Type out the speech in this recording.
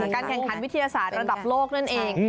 การแข่งขันวิทยาศาสตร์ระดับโลกนั่นเอง